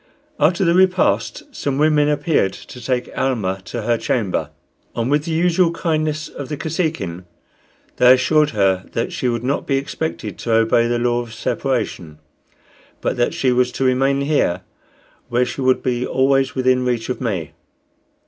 After the repast some women appeared to take Almah to her chamber, and, with the usual kindness of the Kosekin, they assured her that she would not be expected to obey the law of separation, but that she was to remain here, where she would be always within reach of me.